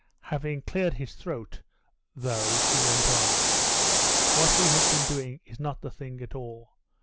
Having cleared his throat though, he went on: "What we have been doing is not the thing at all.